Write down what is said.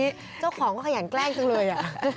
แต่เพราะเจ้าของทำให้มองนังหลบหน้า